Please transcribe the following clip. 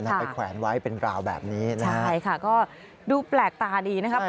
ไปแขวนไว้เป็นราวแบบนี้นะฮะใช่ค่ะก็ดูแปลกตาดีนะครับ